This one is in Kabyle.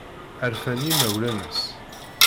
Rfan yimawlan-nnes.